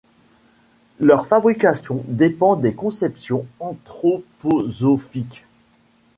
Leur fabrication dépend des conceptions anthroposophiques.